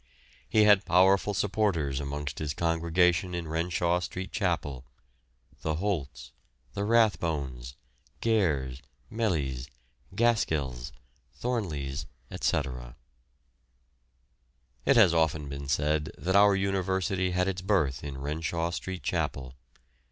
He had powerful supporters amongst his congregation in Renshaw Street Chapel: the Holts, the Rathbones, Gairs, Mellys, Gaskells, Thornleys, etc. It has often been said that our University had its birth in Renshaw Street Chapel.